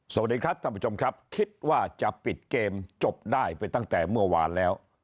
สวัสดีครับท่านผู้ชมครับคิดว่าจะปิดเกมจบได้ไปตั้งแต่เมื่อวานแล้ว